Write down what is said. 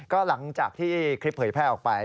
ก็หลังจากที่คลิปเผยแพร่ออกไป